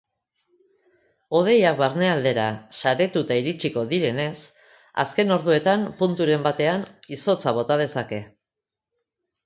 Hodeiak barnealdera saretuta iritsiko direnez, azken orduetan punturen batean izotza bota dezake.